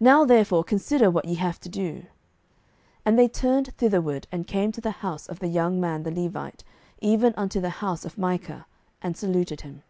now therefore consider what ye have to do. 07:018:015 And they turned thitherward, and came to the house of the young man the Levite, even unto the house of Micah, and saluted him.